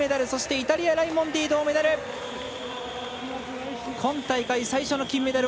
イタリア、ライモンディ銅メダル！